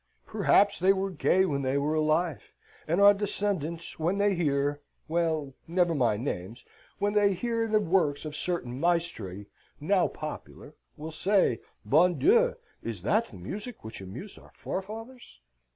Perhaps they were gay when they were alive; and our descendants when they hear well, never mind names when they hear the works of certain maestri now popular, will say: Bon Dieu, is this the music which amused our forefathers?